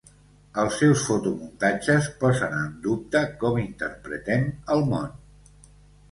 Els seus fotomuntatges posen en dubte com interpretem el món.